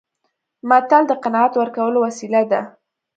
متل د قناعت ورکولو وسیله ده